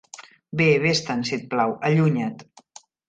Bé, vés-te'n, si et plau, allunya't!